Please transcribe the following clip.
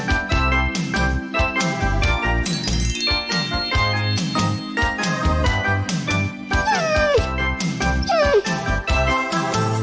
ขอบคุณสำหรับการติดตามรับชมภูกัดสมัครข่าว